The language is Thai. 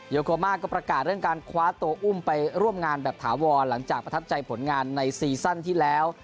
โอโกมาก็ประกาศเรื่องการคว้าตัวอุ้มไปร่วมงานแบบถาวรหลังจากประทับใจผลงานในซีซั่นที่แล้ว